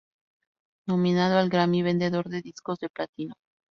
Nominado al Grammy, vendedor de discos de platino.